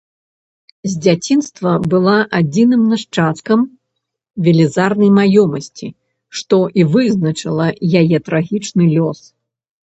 З дзяцінства была адзіным нашчадкам велізарнай маёмасці, што і вызначыла яе трагічны лёс.